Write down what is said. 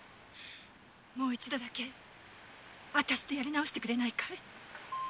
もう一度だけあたしとやり直してくれないかい？